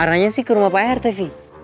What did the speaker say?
arahnya sih ke rumah pak rtv